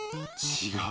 違う。